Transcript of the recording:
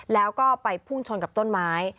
แล้วก็ไปพุ่งชนกับต้นไม้